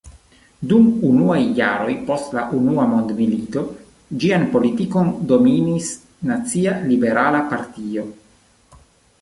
Dum unuaj jaroj post la unua mondmilito ĝian politikon dominis Nacia Liberala Partio.